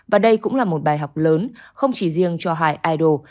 và đây cũng là một bài học lớn không chỉ riêng cho hai idol